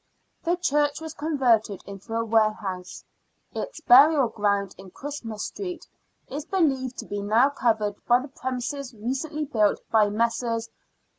The church was converted into a warehouse. Its burial ground in Christmas Street, is believed to be now covered by the premises recently built by Messrs.